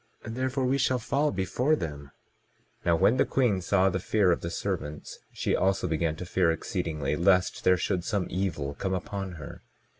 Therefore we shall fall before them. 22:21 Now when the queen saw the fear of the servants she also began to fear exceedingly, lest there should some evil come upon her.